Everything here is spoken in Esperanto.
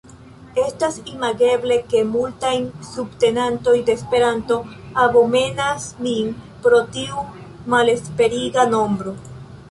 Estas imageble, ke multaj subtenantoj de Esperanto abomenas min pro tiu malesperiga nombro.